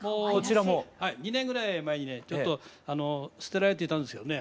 もう２年ぐらい前にね捨てられていたんですよね。